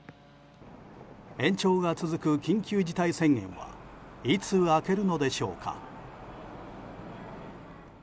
延長が続く緊急事態宣言はいつ明けるのでしょうか？